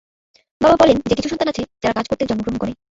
তিনি বলেন যে কিছু সন্তান আছে যারা "কাজ করতে জন্মগ্রহণ" করে।